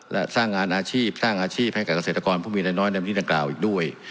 และสร้างงานอาชีพสร้างงานอาชีพให้กับเกษตรกรผู้มีน้อยน้อยในวิทยาลัยกราศาสตร์อีกด้วย